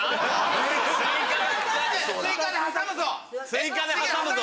スイカで挟むぞ。